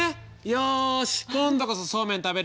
よし今度こそそうめん食べるよ。